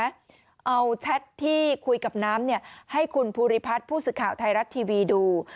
เอาแท็ตที่คุยกับน้ำให้คุณภูริพัฒน์ผู้สึกข่าวไทรรัสทีวีดู